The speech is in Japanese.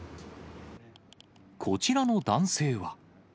こちらの男性は。